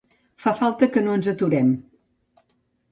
Fa falta que no ens aturem.